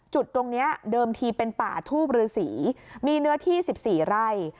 จุดตรงนี้เดิมทีเป็นป่าทูบฤษีมีเนื้อที่๑๔ไร่